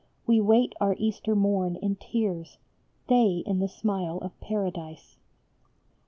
We wait our Easter morn in tears, They in the smile of Paradise."